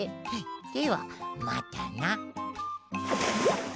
ではまたな。